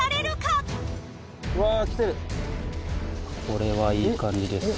これはいい感じです